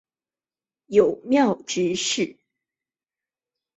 友庙执事。